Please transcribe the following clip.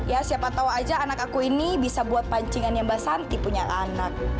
ya siapa tau aja anak aku ini bisa buat pancingannya mbak santi punya anak